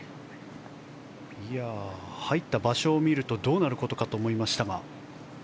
入った場所を見るとどうなることかと思いましたが。